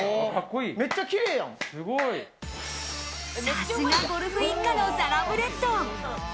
さすがゴルフ一家のサラブレッド。